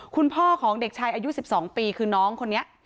คุณพ่อของเด็กชายอายุ๑๒ปีคือน้องคนนี้